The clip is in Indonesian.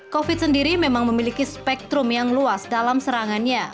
covid sendiri memang memiliki spektrum yang luas dalam serangannya